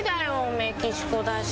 メキシコだし。